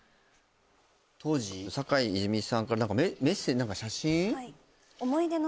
当時坂井泉水さんから何かメッセージ何か写真？